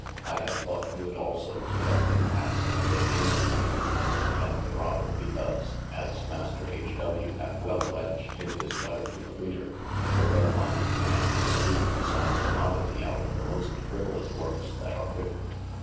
I have thought good also to let them passe as they came to me, and the rather bicause (as master .H. !W hath well alleadged in his letter to the Reader) the well minded ma1 may reape some commoditie out of the most frivolous works that are written.